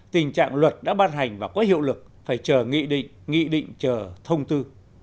tình trạng luật đã ban hành và có hiệu lực phải chờ nghị định nghị định chờ thông tư